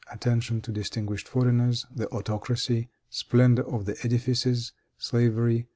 Attention To Distinguished Foreigners. The Autocracy. Splendor of the Edifices. Slavery.